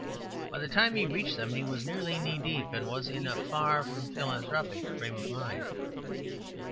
By the time he reached them he was nearly knee deep, and was in a far from philanthropic frame of mind.